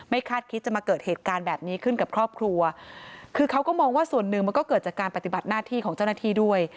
คาดคิดจะมาเกิดเหตุการณ์แบบนี้ขึ้นกับครอบครัวคือเขาก็มองว่าส่วนหนึ่งมันก็เกิดจากการปฏิบัติหน้าที่ของเจ้าหน้าที่ด้วย